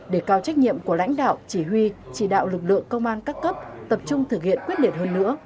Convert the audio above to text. để cao trách nhiệm của lãnh đạo chỉ huy chỉ đạo lực lượng công an các cấp tập trung thực hiện quyết liệt hơn nữa